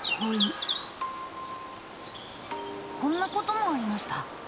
こんなこともありました。